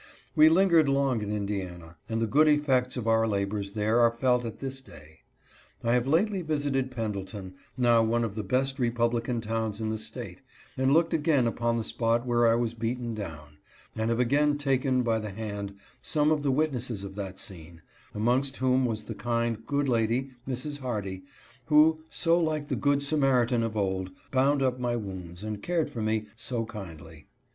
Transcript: We lingered long in Indiana, and the good effects of our labors there are felt at this day. I have lately visited Pendleton, now one of the best republican towns in the State, and looked again upon the spot where I was beaten down, and have again taken by the hand some of the witnesses of that scene, amongst whom was the kind, good lady — Mrs. Hardy — who, so like the good Sama ritan of old, bound up my wounds, and cared for me so kindly.